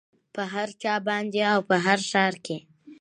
په هر چا باندې او په هر ښار کې